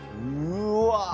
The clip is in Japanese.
うわ。